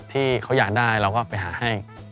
ที่เขาอยากได้เราก็ไปหาให้